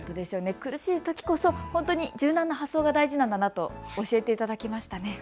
苦しいときこそ柔軟な発想が大事なんだなと教えていただきましたね。